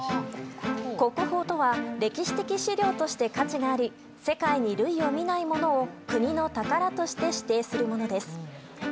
国宝とは歴史的史料として価値があり世界に類を見ないものを国の宝として指定するものです。